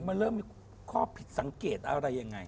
มันเริ่มมีข้อผิดสังเกตอะไรยังไง